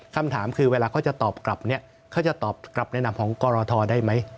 คำถามคือเวลาเขาจะตอบกลับเนี่ยเขาจะตอบกลับแนะนำของกรทได้ไหม